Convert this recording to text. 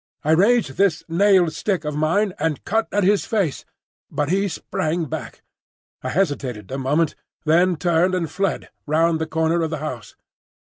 I raised this nailed stick of mine and cut at his face; but he sprang back. I hesitated a moment, then turned and fled, round the corner of the house.